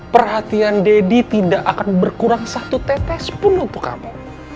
perhatian deddy tidak akan berkurang satu tetes pun untuk kamu